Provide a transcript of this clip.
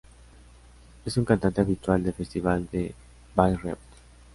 Es un cantante habitual de Festival de Bayreuth.